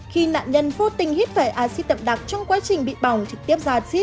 khi nạn nhân phô tình hít vẻ axit đậm đặc trong quá trình bị bỏng trực tiếp ra axit